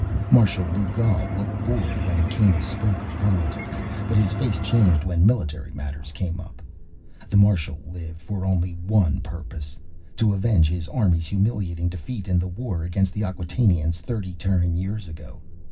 Marshal Lugal looked bored when Kanus spoke of politics, but his face changed when military matters came up. The marshal lived for only one purpose: to avenge his army's humiliating defeat in the war against the Acquatainians, thirty Terran years ago.